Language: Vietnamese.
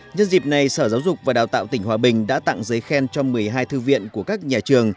nhân dịp này sở giáo dục và đào tạo tỉnh hòa bình đã tặng giấy khen cho một mươi hai thư viện của các nhà trường